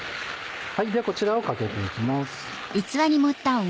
ではこちらをかけていきます。